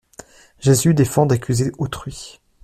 Jésus défend d'accuser autrui.